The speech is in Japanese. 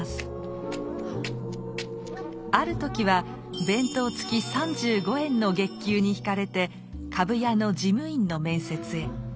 ある時は「弁当つき三十五円」の月給にひかれて株屋の事務員の面接へ。